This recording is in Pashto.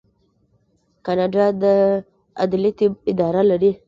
کاناډا د عدلي طب اداره لري.